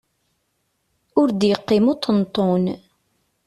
Ur d-yeqqim uṭenṭun!